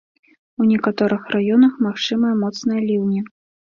У некаторых раёнах магчымыя моцныя ліўні.